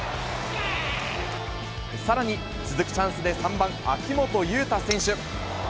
さらに、続くチャンスで３番秋本悠汰選手。